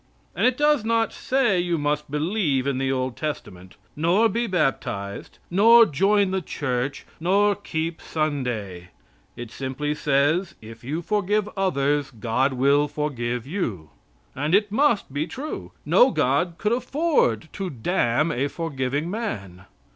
And it does not say you must believe in the Old Testament, nor be baptized, nor join the Church, nor keep Sunday. It simply says, if you forgive others God will forgive you; and it must be true. No God could afford to damn a forgiving man.